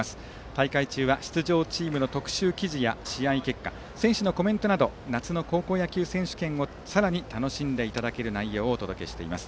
大会中は出場チームの特集記事や試合結果、選手のコメントなど夏の高校野球選手権をさらに楽しんでいただける内容をお届けしています。